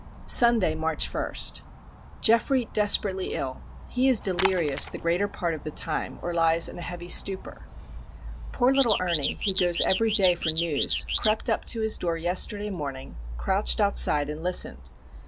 Sunday, March 1. Geoffrey desperately ill. He is delirious the greater part of the time, or lies in a heavy stupour. Poor little Ernie, who goes every day for news, crept up to his door yesterday morning, crouched outside, and listened.